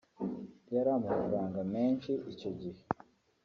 yari amafranga menshi icyo gihe